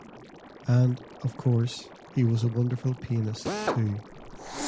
And, of course, he was a wonderful pianist, too.